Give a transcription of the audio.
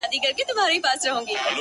• ما د دريم ژوند وه اروا ته سجده وکړه،